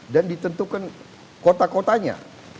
dan ditentukan kota kotanya